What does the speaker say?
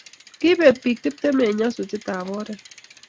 kipek pik tiptemu ak aeng en nyasutiet ab otret